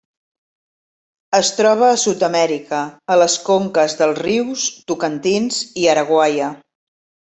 Es troba a Sud-amèrica, a les conques dels rius Tocantins i Araguaia.